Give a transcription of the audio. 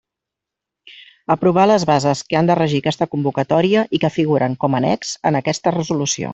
Aprovar les bases que han de regir aquesta convocatòria i que figuren com a annex en aquesta Resolució.